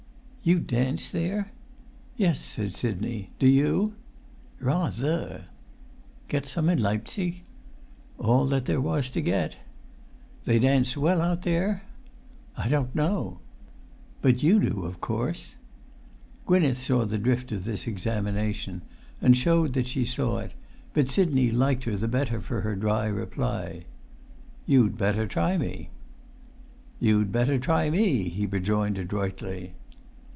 "You dance there!" "Yes," said Sidney; "do you?" "Rather!" "Get some in Leipzig?" "All that there was to get." "They dance well out there?" "I don't know." "But you do, of course?" Gwynneth saw the drift of this examination, and showed that she saw it, but Sidney liked her the better for her dry reply: [Pg 295]"You'd better try me." "You'd better try me," he rejoined adroitly.